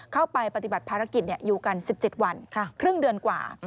เข้าไปปฏิบัติภารกิจอยู่กัน๑๗วันครึ่งเดือนกว่า